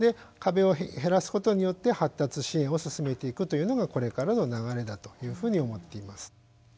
壁を減らすことによって発達支援を進めていくというのがこれからの流れだというふうに思っています。